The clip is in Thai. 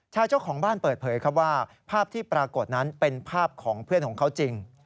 เจ้าของบ้านเปิดเผยครับว่าภาพที่ปรากฏนั้นเป็นภาพของเพื่อนของเขาจริง